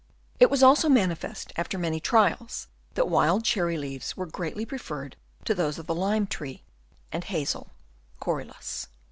It was also manifest after many trials that wild cherry leaves were greatly D 34 HABITS OF WOKMS. Chap. I. preferred to those of the lime tree and hazel (Corylus).